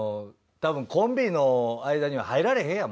たぶんコンビの間には入られへんやん。